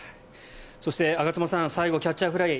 そして、我妻さん最後、キャッチャーフライ。